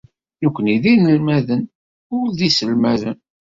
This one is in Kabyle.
Nekkni d inelmaden, ur d iselmaden.